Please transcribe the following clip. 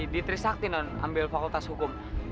di trisakti dan ambil fakultas hukum